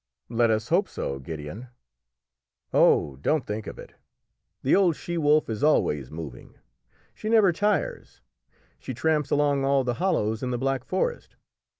"Let us hope so, Gideon." "Oh, don't think of it. The old she wolf is always moving; she never tires; she tramps along all the hollows in the Black Forest.